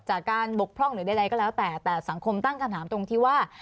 จากการบกพร่องหรือใดก็แล้วแต่แต่สังคมตั้งคำถามตรงที่ว่า